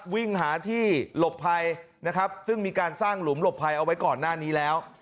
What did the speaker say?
วิ่งหาที่หลบภัยนะครับซึ่งมีการสร้างหลุมหลบภัยเอาไว้ก่อนหน้านี้แล้ว